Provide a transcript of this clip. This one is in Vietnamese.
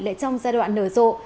lại trong giai đoạn nở rộ